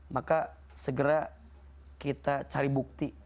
maka segera kita cari bukti